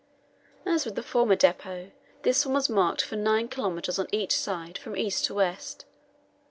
As with the former depot, this one was marked for nine kilometres on each side from east to west.